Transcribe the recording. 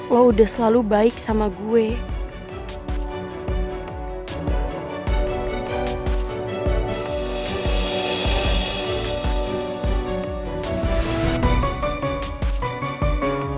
lo udah selalu baik sama gue